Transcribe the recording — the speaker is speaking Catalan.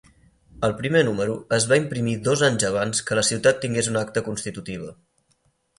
El primer número es va imprimir dos anys abans que la ciutat tingués una acta constitutiva.